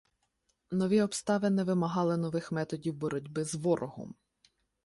Нові обставини вимагали нових методів боротьби з ворогом.